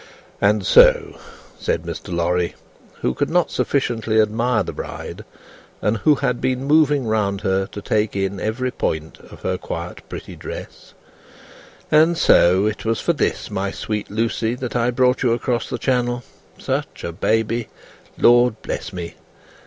"And so," said Mr. Lorry, who could not sufficiently admire the bride, and who had been moving round her to take in every point of her quiet, pretty dress; "and so it was for this, my sweet Lucie, that I brought you across the Channel, such a baby! Lord bless me!